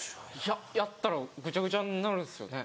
やったらぐちゃぐちゃになるんですよね？